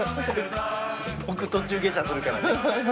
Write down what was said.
僕途中下車するから。